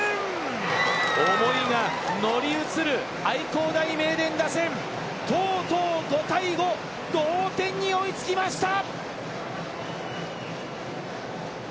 思いが、乗り移る愛工大名電打線とうとう５対５、同点に追いつきました！